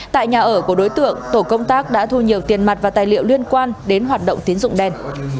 tại nhà ở của đối tượng tổ công tác đã thu nhiều tiền mặt và tài liệu liên quan đến hoạt động tiến dụng đen